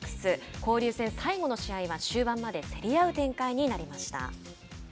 交流戦最後の試合は終盤まで競り合う展開になりました。